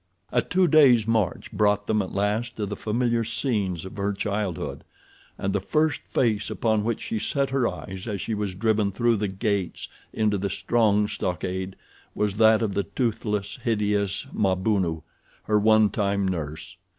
A two days' march brought them at last to the familiar scenes of her childhood, and the first face upon which she set her eyes as she was driven through the gates into the strong stockade was that of the toothless, hideous Mabunu, her one time nurse.